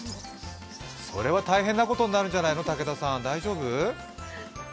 それは大変なことになるんじゃないの、武田さん、大丈夫？